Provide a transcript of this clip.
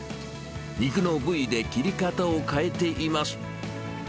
肉の部位で切り方を変えています。